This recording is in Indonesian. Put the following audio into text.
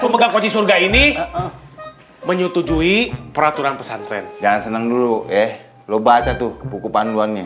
pemegang kociraka ini menyetujui peraturan pesan tren jangan seneng dulu ya lo baca tuh buku panduannya